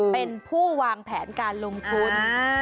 เป็นผู้วางแผนการลงทุน